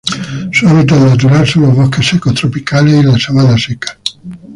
Su hábitat natural son los bosques secos tropicales y la sabana seca.